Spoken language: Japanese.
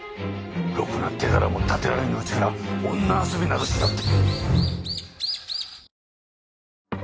ろくな手柄も立てられぬうちから女遊びなどしおって。